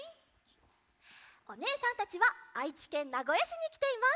おねえさんたちはあいちけんなごやしにきています。